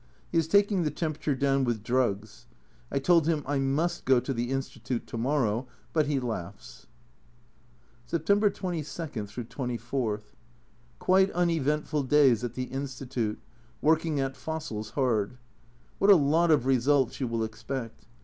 He is taking the temperature down with drugs. I told him I must go to the Institute to morrow, but he laughs. September 22 24. Quiet uneventful days at the Institute, working at fossils hard. What a lot of results you will expect